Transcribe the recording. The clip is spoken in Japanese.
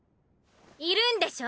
いるんでしょ？